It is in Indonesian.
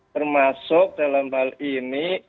termasuk dalam hal ini